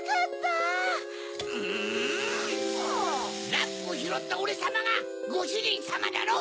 ランプをひろったオレさまがごしゅじんさまだろ！